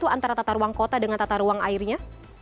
antara tata ruang kota dengan tata ruang airnya